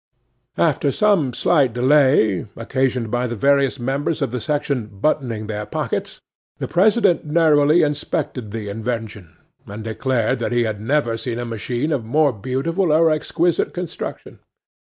'After some slight delay, occasioned by the various members of the section buttoning their pockets, 'THE PRESIDENT narrowly inspected the invention, and declared that he had never seen a machine of more beautiful or exquisite construction.